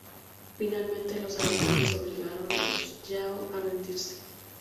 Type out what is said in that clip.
Finalmente los alemanes obligaron a los yao a rendirse.